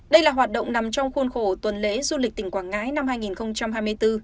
đây là hoạt động nằm trong khuôn khổ tuần lễ du lịch tỉnh quảng ngãi năm hai nghìn hai mươi bốn